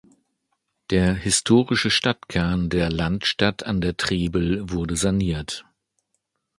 Der historische Stadtkern der Landstadt an der Trebel wurde saniert.